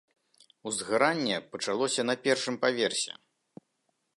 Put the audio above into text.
Узгаранне пачалося на першым паверсе.